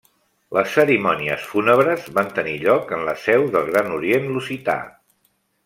Les cerimònies fúnebres van tenir lloc en la seu del Gran Orient Lusità.